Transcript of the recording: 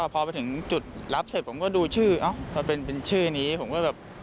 พอไปถึงจุดรับเสร็จผมก็ดูชื่อเอ้าพอเป็นชื่อนี้ผมก็แบบ